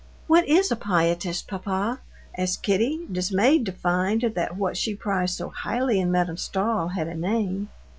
"What is a Pietist, papa?" asked Kitty, dismayed to find that what she prized so highly in Madame Stahl had a name.